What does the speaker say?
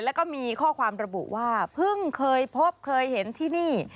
แล้วก็มีข้อความระบุว่าเพิ่งเคยพบเคยเห็นที่นี่